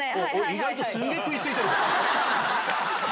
意外とすんげえ食いついてる。